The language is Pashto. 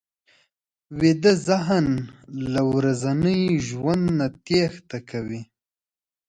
ویده ذهن له ورځني ژوند نه تېښته کوي